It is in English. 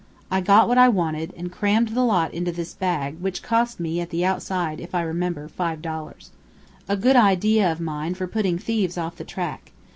I got what I wanted, and crammed the lot into this bag, which cost me at the outside, if I remember, five dollars. A good idea of mine for putting thieves off the track.